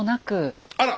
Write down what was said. あら！